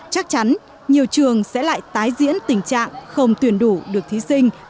chắc chắn nhiều trường sẽ lại tái diễn tình trạng không tuyển đủ được thí sinh